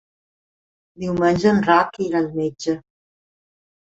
Diumenge en Roc irà al metge.